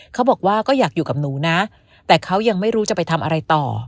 เขาบอกว่าก็อยากอยู่กับหนูนะแต่เขายังไม่รู้จะไปทำอะไรต่อ